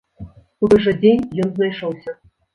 У той жа дзень ён знайшоўся.